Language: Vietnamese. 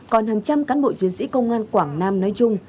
còn hàng trăm cán bộ chiến sĩ công an quảng nam nói chung